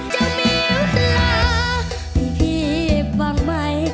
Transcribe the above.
จะมีเวลาพี่ฟังใหม่